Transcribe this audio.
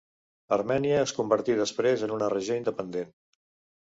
Armènia es convertí després en una regió independent.